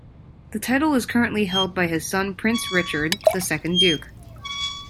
The title is currently held by his son Prince Richard, the second Duke.